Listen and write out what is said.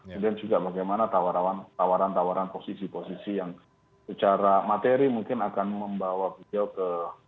kemudian juga bagaimana tawaran tawaran posisi posisi yang secara materi mungkin akan membawa beliau ke